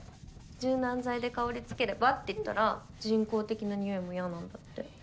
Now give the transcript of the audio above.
「柔軟剤で香りつければ？」って言ったら人工的なにおいも嫌なんだって。